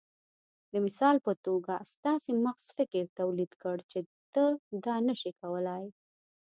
د مثال په توګه ستاسې مغز فکر توليد کړ چې ته دا نشې کولای.